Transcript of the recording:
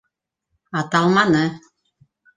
Ата алманы.